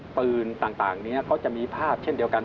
ปืนต่างนี้ก็จะมีภาพเช่นเดียวกัน